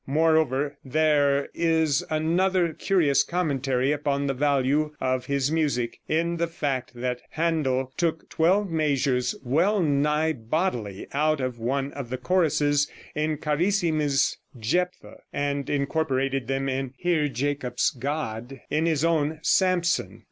Moreover, there, is another curious commentary upon the value of his music, in the fact that Händel took twelve measures well nigh bodily out of one of the choruses in Carissimi's "Jephthah," and incorporated them in "Hear Jacob's God" in his own "Samson."